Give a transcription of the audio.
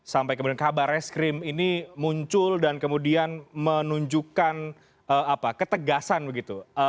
sampai kemudian kabar reskrim ini muncul dan kemudian menunjukkan ketegasan begitu